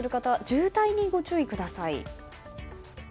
渋滞にご注意ください。